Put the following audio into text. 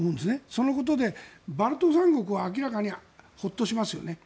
そのことでバルト三国は明らかにホッとしますよね。